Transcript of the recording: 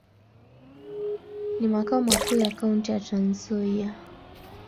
Ni makao makuu ya kaunti ya Trans-Nzoia.